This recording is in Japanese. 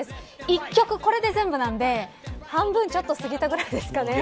一曲、これで全部なんで半分少し過ぎたぐらいですかね。